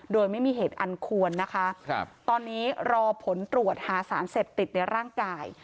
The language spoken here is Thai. โดยไม่มีเหตุอันควรนะคะตอนนี้รอผลตรวจหาสารเสพติดในร่างกาย